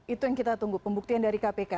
itu yang kita tunggu pembuktian dari kpk